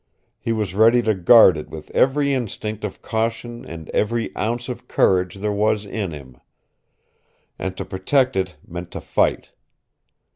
He was ready to guard it with every instinct of caution and every ounce of courage there was in him. And to protect it meant to fight.